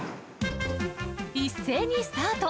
一斉にスタート。